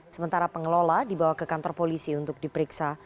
sementara pengelola dibawa ke kantor polisi untuk diperiksa